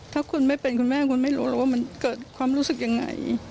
ถ้าคุณไม่เป็นคุณแม่คุณไม่รู้หรอกว่ามันเกิดความรู้สึกยังไง